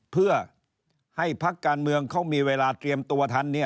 เพื่อให้พักการเมืองเขามีเวลาเตรียมตัวทัน